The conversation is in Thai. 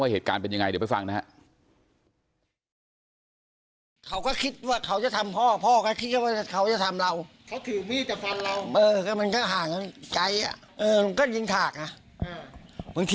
เหตุการณ์เป็นยังไงเดี๋ยวไปฟังนะครับ